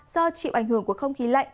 do chịu ảnh hưởng của không khí lạnh